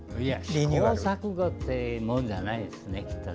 試行錯誤ってもんじゃないですね。